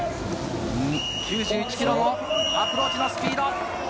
９１キロのアプローチのスピード。